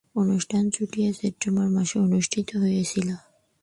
অনুষ্ঠানটি চুয়েটে সেপ্টেম্বর মাসে অনুষ্ঠিত হয়েছিলো।